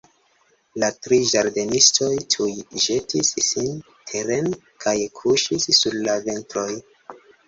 La tri ĝardenistoj tuj ĵetis sin teren kaj kuŝis sur la ventroj.